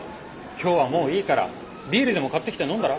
今日はもういいからビールでも買ってきて飲んだら？